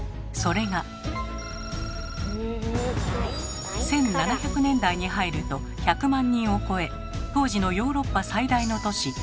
それが１７００年代に入ると１００万人を超え当時のヨーロッパ最大の都市